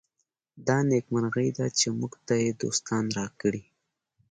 دا نېکمرغي ده چې موږ ته یې دوستان راکړي.